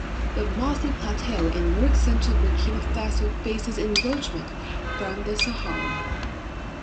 The Mossi Plateau in north central Burkina Faso faces encroachment from the Sahara.